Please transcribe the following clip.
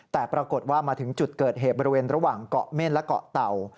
แต่ปรากฏว่ามาถึงจุดเกิดเหตุบริเวณระหว่างเกาะเม่นและเกาะเต่า